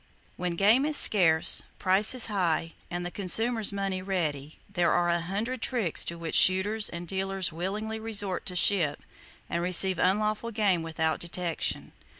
When game is scarce, prices high and the consumer's money ready, there are a hundred tricks to which shooters and dealers willingly resort to ship and receive unlawful game without detection.